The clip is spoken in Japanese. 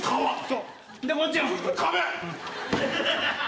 そう。